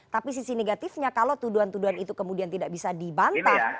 tapi sisi negatifnya kalau tuduhan tuduhan itu kemudian tidak bisa dibantah